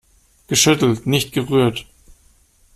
Geschüttelt, nicht gerührt!